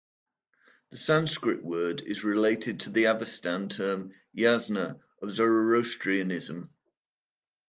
The Sanskrit word is related to the Avestan term "yasna" of Zoroastrianism.